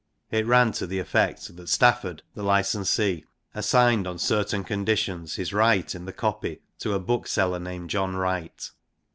It ran to the effect that Stafford, the licensee, assigned on certain conditions his right in the * copy ' to a bookseller named John Wright.